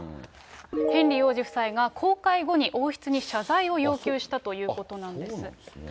ヘンリー王子夫妻が、公開後に、王室に謝罪を要求したということなんです。